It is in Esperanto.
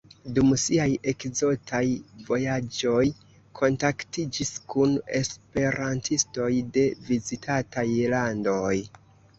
Dum siaj ekzotaj vojaĝoj kontaktiĝis kun esperantistoj de vizitataj landoj.